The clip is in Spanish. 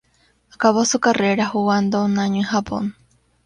Acabó su carrera jugando un año en Japón.